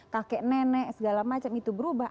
kakek nenek segala macam itu berubah